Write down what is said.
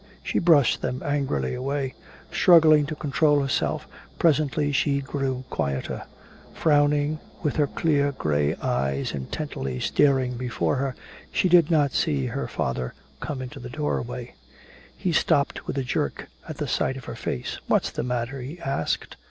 She brushed them angrily away. Struggling to control herself, presently she grew quieter. Frowning, with her clear gray eyes intently staring before her, she did not see her father come into the doorway. He stopped with a jerk at sight of her face. "What's the matter?" he asked.